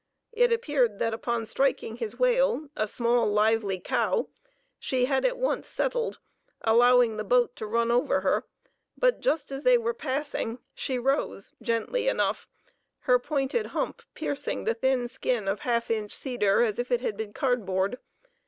It appeared that upon striking his whale, a small, lively cow, she had at once "settled," allowing the boat to run over her; but just as they were passing, she rose, gently enough, her pointed hump piercing the thin skin of half inch cedar as if it had been cardboard.